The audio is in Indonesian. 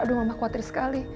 aduh mama khawatir sekali